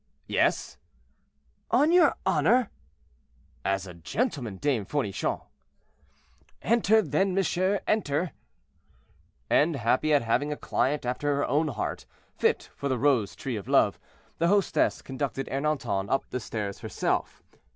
"Yes." "On your honor?" "As a gentleman, Dame Fournichon." "Enter, then, monsieur, enter." And happy at having a client after her own heart, fit for the "Rose tree of love," the hostess conducted Ernanton up the stairs herself.